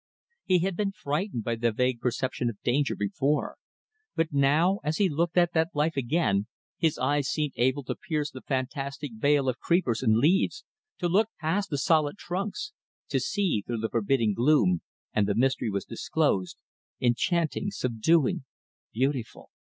He had been frightened by the vague perception of danger before, but now, as he looked at that life again, his eyes seemed able to pierce the fantastic veil of creepers and leaves, to look past the solid trunks, to see through the forbidding gloom and the mystery was disclosed enchanting, subduing, beautiful.